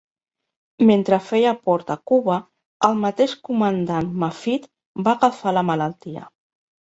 Mentre feia port a Cuba, el mateix comandant Maffitt va agafar la malaltia.